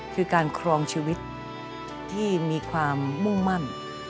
คือการครองชีวิตที่มีความมุ่งมั่น